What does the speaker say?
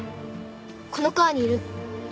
この川にいるの。